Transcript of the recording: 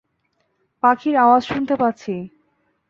পাখির আওয়াজ শুনতে পাচ্ছি।